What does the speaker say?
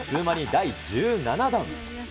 第１７弾。